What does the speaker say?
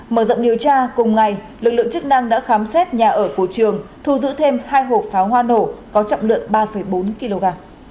mở rộng điều tra cùng ngày lực lượng chức năng đã khám xét nhà ở của trường thu giữ thêm hai hộp pháo hoa nổ có trọng lượng ba bốn kg